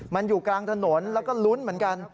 มันอยู่กลางถนนแล้วก็ลุ้นเหมือนกัน